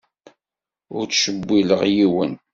Ur ttcewwileɣ yiwen.